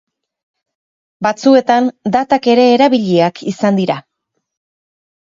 Batzuetan datak ere erabiliak izan dira.